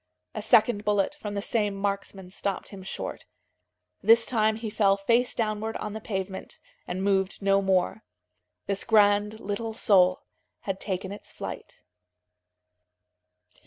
A second bullet from the same marksman stopped him short. This time he fell face downward on the pavement, and moved no more. This grand little soul had taken its flight.